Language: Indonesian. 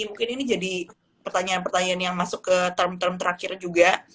mungkin ini jadi pertanyaan pertanyaan yang masuk ke term term terakhir juga